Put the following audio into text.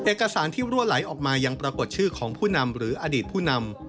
เอกสารที่รั่วไหลออกมายังปรากฏชื่อของผู้นำหรืออดีตผู้นำ